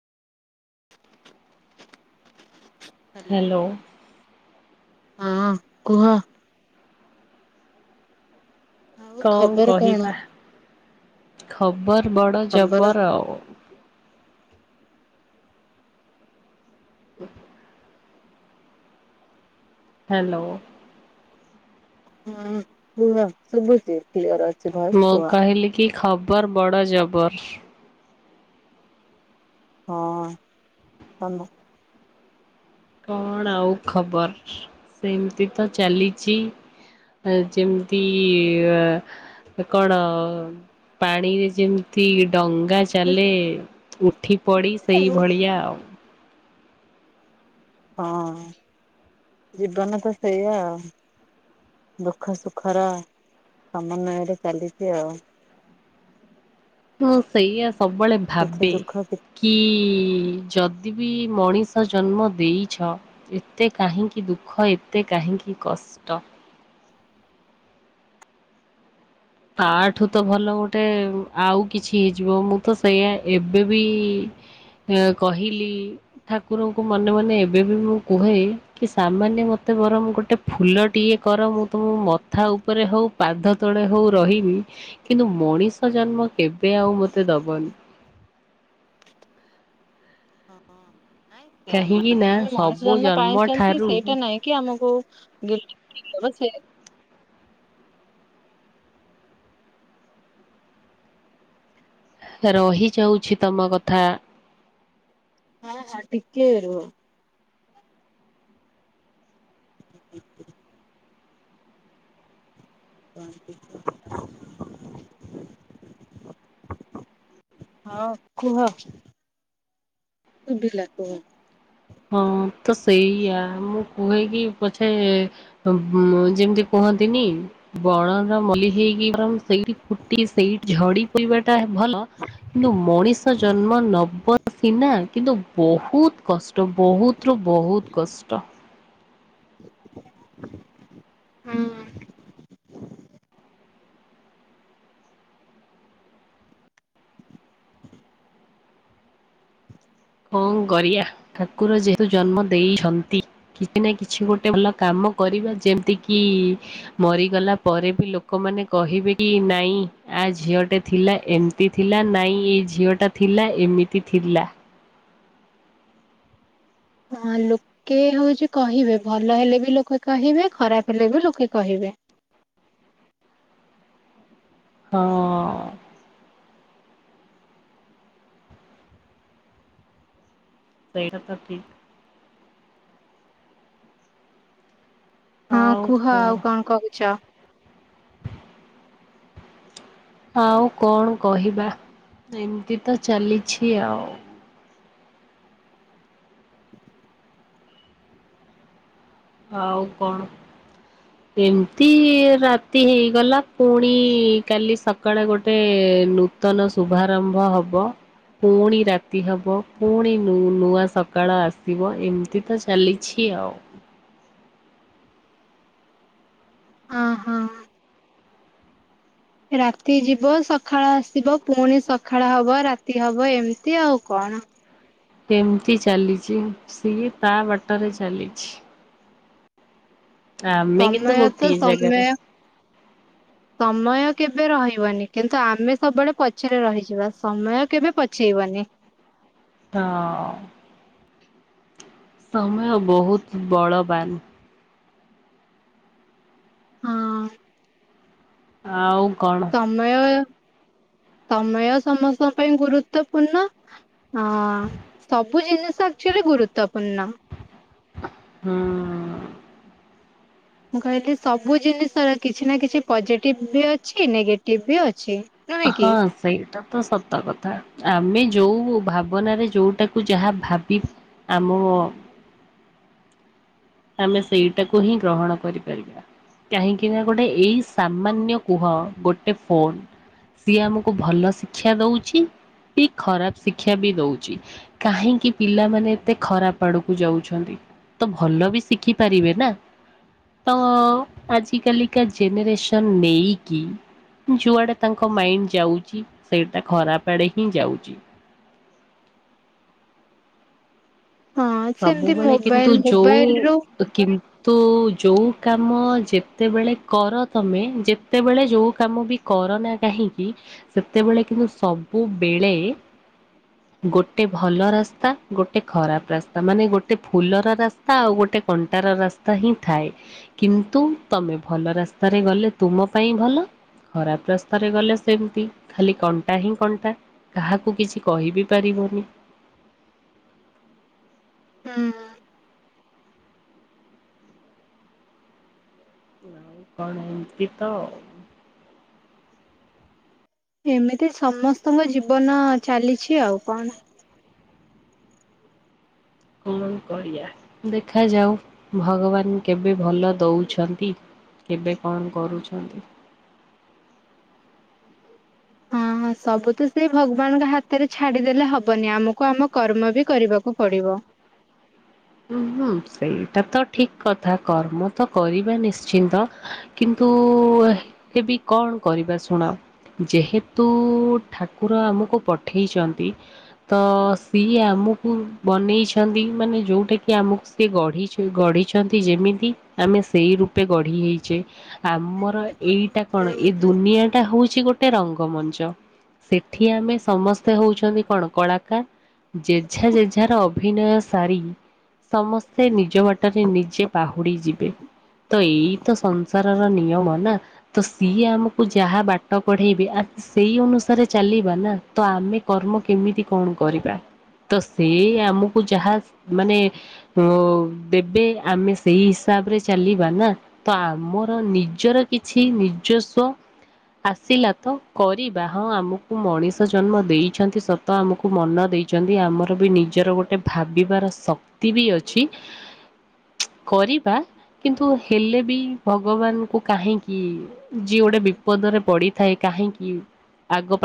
Hello hello ହଁ କୁହ। ଆଉ କଣ ଖବର କଣ କହିବା ଖବର ବଡ ଖବର ଜବର ଆଉ। ହ ହ୍ୟାଲୋ। ହଁ କୁହ ଶୁୁବୁଛି। କ୍ଲିୟର ଅଛି ଭ ମୁଁ କହିଲି କି ଖବର ବଡ ଜବର। ହଁ ତମ କଣ ଆଉ ଖବର ସେମିତି ତ ଚାଲିଛି। ଆ ଯେମିତି ଆ କଣ ପାଣିରେ ଯେମିତି ଡଙ୍ଗା ଚାଲେ ଉଠି ପଡ଼ି ସେଇଭଳିଆ ଆଉ। ହଁ ଜୀବନ ତ ସେଇଆ ଆଉ। ଦୁଃଖ ସୁଖର ସମନ୍ୱୟରେ ଚାଲିଛି ଆଉ। ମୁଁ ସେଇଆ ସବୁବେଳେ କିଛି ଭାବେ। ଦୁଃଖ କି ଯଦି ବି ମଣିଷ ଜନ୍ମ ଦେଇଛ ଏତେ କାହିଁକି ଦୁଃଖ ଏତେ କାହିଁକି କଷ୍ଟ। ତାଠୁ ତ ଭଲ ଗୋଟେ ଆଉ କିଛି ହେଇଯିବ ମୁଁ ତ ସେଇଆା ଏବେ ବି ଏ କହିଲି ଠାକୁରଙ୍କୁ ମନେ ମନେ ଏବେ ବି ମୁଁ କୁହେ କି ସାମାନ୍ୟ ମତେ ବରଂ ଗୋଟେ ଫୁଲ ଟିଏ କର ମୁଁ ତମ ମଥା ଉପରେ ହଉ ପାଦ ତଳେ ହଉ ରହିବି କିନ୍ତୁ ମଣିଷ ଜନ୍ମ କେବେ ଆଉ ମତେ ଦବନି। ସେ କାହିଁକି ନା ମାନେ ଆମେ ମଣିଷ ସବୁ ଜନ୍ମ ପାଇଛନ୍ତି ଠାରୁ ସେଇଟା ନାଇଁ। କି ଆମକୁ ଗିପ୍ଟ ଦବ ସେ ରହିଯାଉଛି ତମ କଥା। ହଁ ହଁ ଟିକେ ରୁହ। ହ ହଁ କୁହ? ସୁୁଭିଲା କହ। ହଁ ତ ସେଇଆା ମୁଁ କୁହେ କିି ପଛେ ଯେମିତି କୁହନ୍ତିନି ବଣର ମଲ୍ଲି ହେଇକି ବରଂ ସେଇଠି ଫୁଟି ସେଇଠି ଝଡି ପଡିବାଟା ଭଲ। କିନ୍ତୁ ମଣିଷ ଜନ୍ମ ନବ ସିନା କିନ୍ତୁ ବହୁତ କଷ୍ଟ ବହୁତରୁୁ ବହୁତ କଷ୍ଟ। ହୁଁ। ହଁ ଗରିଆ ଠାକୁର ଯେହେତୁ ଜନ୍ମ ଦେଇଛନ୍ତି କିଛି ନା କିଛି ଗୋଟେ ଭଲ କାମ କରିବା ଯେମିତି କିି ମରିଗଲା ପରେ ବି ଲୋକମାନେ କହିବେ କି ନାଇଁ ଆ ଝିଅ ଟେ ଥିଲା ଏ ଏମତି ଥିଲା ନାଇଁ ଏଇ ଝିଅ ଟା ଥିଲା ଏମିତି ଥିଲା। ହଁ ଲୋକେ ହଉଛି କହିବେ ଭଲ ହେଲେ ବି ଲୋକେ କହିବେ ଖରାପ ହେଲେ ବି ଲୋକେ କହିବେ। ହଁ। ସେଇତ ଠିକ୍। ହଁ କୁହ ଆଉ କଣ କହୁଛ। ଆଉ କଣ କହିବା ଏମିତି ତ ଚାଲିଛି ଆଉ। ଆଉ କଣ। ହ ଏମିତି ରାତି ହେଇଗଲା ପୁଣି କାଲି ସକାଳେ ଗୋଟେ ନୂ ନୂତନ ଶୁଭାରମ୍ଭ ହବ। ପୁଣି ରାତି ହେବ ପୁଣି ନୂଆ ସକାଳ ଆସିବ ଏମିତି ତ ଚାଲିଛି ଆଉ। ଅ ହଁ। ରାତି ଯିବ ସକାଳ ଆସିବ ପୁଣି ସଖାଳ ହବ ରାତି ହବ ଏମିତି ଆଉ କଣ ସେମିତି ଚାଲିଛି ସିଏ ତା ବାଟରେ ଚାଲିଛି। ଆମେ କିନ୍ତୁ ସମମୟତ ଗୋଟିଏ ସମୟ। ଜାଗାରେ ସମୟ କେବେ ରହିବନି କିନ୍ତୁ ଆମେ ସବୁବେଳେ ପଛରେ ରହିଯିବା ସମୟ କେବେ ଛିିବନି। ହିଁ। ସମୟ ବହୁତ ବଳବାନ। ହଁ। ଆଉ କଣ। ସମୟ ସମୟ ସମସ୍ତଙ୍କ ପାଇଁ ଗୁରୁତ୍ୱପୂର୍ଣ୍ଣ? ହଁ ସବୁ ଜିନିଷ ଆଚୁଆଲି ଗୁରୁତ୍ୱପୂର୍ଣ୍ଣ। ହୁଁ। ମୁଁ କହିଲି ସବୁ ଜିନିଷର କିଛି ନା କିଛି ପଜିଟିଭ୍ ବି ଅଛି ନେଗେଟିଭ୍ ବି ଅଛି। ନୁହେଁ କି ହଁ। ସେଇଟା ତ ସତ କଥା ଆମେ ଯୋଉ ଭାବନାରେ ଯୋଉଟାକୁ ଯାହା ଭାବି ଆମ ଆମେ ସେଇଟାକୁ ହିଁ ଗ୍ରହଣ କରିପାରିବା।। କାହିଁକିନା ଗୋଟେ ଏଇ ସାମାନ୍ୟ କୁହ ଗୋଟେ ଫୋନ ସିଏ ଆମକୁ ଭଲ ଶିକ୍ଷା ଦଉଛି କି ଖରାପ ଶିକ୍ଷା ବି ଦଉଛି। କାହିଁକି ପିଲାମାନେ ଏତେ ଖରାପ ଆଡକୁ ଯାଉଛନ୍ତି ତ ଭଲ ବି ଶିଖି ପାରିବେ ନା। ତ ଆଜିକାଲିକା ଜେନେରେସନ୍ ନେଇକି? ଯୁଆଡେ ତାଙ୍କ ମାଇଣ୍ଡ ଯାଉଛି ସେଇଟା ଖରାପ ଆଡେ ହିଁ ଯାଉଛି। ହଁ ସେମିତି ସବୁବେଳେ କିନ୍ତୁ ମୋବାଇଲ ମୋବାଇଲରୁ ଯୋଉ କି ତୁ ଯୋଉ କାମ ଯେତେବେଳେ କର ତମେ ଯେତେବେଳେ ଯୋଉ କାମ ବି କରୋନା କାହିଁକି ସେତେବେଳେ କିନ୍ତୁ ସବୁବେଳେ ଗୋଟେ ଭଲ ରାସ୍ତା ଗୋଟେ ଖରାପ ରାସ୍ତା। ତା ମାନେ ଗୋଟେ ଫୁଲର ରାସ୍ତା ଆଉ ଗୋଟେ କଣ୍ଟାର ରାସ୍ତା ହିଁ ଥାଏ। କିନ୍ତୁ ତମେ ଭଲ ରାସ୍ତାରେ ଗଲେ ତୁମ ପାଇଁ ଭଲ ଖରାପ୍ ରାସ୍ତାରେ ଗଲେ ସେମ୍ ତି ଖାଲି କଣ୍ଟା ହିଁ କଣ୍ଟା। କାହାକୁ କିଛି କହିିବି ପାରିବନି ହୁଁ। ନାଉ କଣ ଏମିତି ତ। ଏମିତି ସମସ୍ତଙ୍କ ଜୀବନ ଚାଲିଛି ଆଉ କଣ। କଣ କରିବା ଦେଖାଯାଉ ଭଗବାନ୍ କେବେ ଭଲ ଦଉଛନ୍ତି। କେବେ କଣ କରୁଛନ୍ତି। ହଁ ହଁ ସବୁ ତ ସେଇ ଭଗବାନଙ୍କ ହାତରେ ଛାଡିଦେଲେ ହବନି, ଆମକୁ ଆମ କର୍ମ ବି କରିବାକୁ ପଡିବ। ଉଁ, ହୁଁ, ସେଇଟା ତ ଠିକ୍ କଥା କର୍ମ ତ କରିବା ନିଶ୍ଚିନ୍ତ। କିନ୍ତୁ ଏବେ କଣ କରିବା? ଶୁଣ ଯେହେତୁ ଠାକୁର ଆମକୁ ପଠେଇଚନ୍ତି। ତ ସିଏ ଆମକୁ ବନେଇଛନ୍ତି ମାନେ ଯୋଉଟା କି ଆମକୁ ସିଏ ଗଢ଼ିଛି ଗଢିଛନ୍ତି ଯେମିତି ଆମେ ସେଇ ରୂପେ ଗଢ଼ି ହେଇଛେ। ଆମର ଏଇଟା କଣ, ଏଇ ଦୁନିଆ ଟା ହଉଛି ଗୋଟେ ରଙ୍ଗମଞ୍ଚ। ସେଠି ଆମେ ସମସ୍ତେ ହଉଛନ୍ତି କଣ କଳାକାର। ଜେଝା ଜେଝାର ଅଭିନୟ ସାରି ସମସ୍ତେ ନିଜ ବାଟରେ ନିଜେ ବାହୁଡି ଯିବେ। ତ ଏଇତ ସଂସାରର ନିୟମ ନା। ତ ସିଏ ଆମକୁ ଯାହା ବାଟ କଢେଇବେ ଆ ସେଇ ଅନୁସାରେ ଚାଲିବା ନା, ତ ଆମେ କର୍ମ କେମିତି କଣ କରିବା? ତ ସେ ଆମକୁ ଯାହା ମାନେ ହଉ ଦେବେ ଆମେ ସେଇ ହିସାବରେ ଚାଲିବା ନା। ତ ଆମର ନିଜର କିଛି ନିଜସ୍ୱ ଆସିଲା ତ କରିବା ହଁ ଆମକୁ ମଣିଷ ଜନ୍ମ ଦେଇଛନ୍ତି ସ ତ ଆମକୁ ମନ ଦେଇଛନ୍ତି ଆମର ବି ନିଜର ଗୋଟେ ଭାବିବାର ଶକ୍ତି ବି ଅଛି। କରିବା କିନ୍ତୁ ହେଲେ ବି ଭଗବାନ ଙ୍କୁୁ କାହିଁକି ଯିଏ ଗୋଟେ ବିପଦରେ ପଡିଥାଏ କାହିଁକି ଆଗ ପା